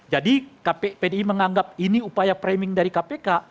jadi pdi menganggap ini upaya priming dari kpk